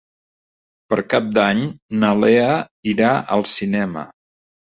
Per Cap d'Any na Lea irà al cinema.